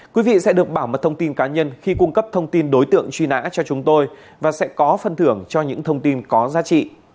quý vị sẽ được bảo mật thông tin cá nhân khi cung cấp thông tin đối tượng truy nã cho chúng tôi và sẽ có phân thưởng cho những thông tin có giá trị